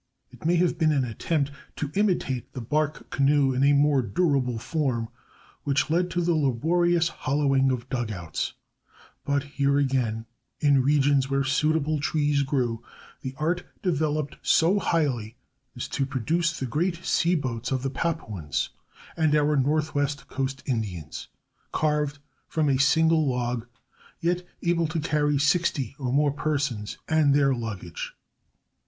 It may have been an attempt to imitate the bark canoe in a more durable form which led to the laborious hollowing of dugouts; but here again, in regions where suitable trees grew, the art developed so highly as to produce the great sea boats of the Papuans and our Northwest Coast Indians, carved from a single log, yet able to carry sixty or more persons and their luggage.